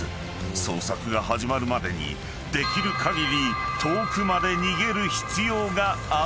［捜索が始まるまでにできる限り遠くまで逃げる必要があった］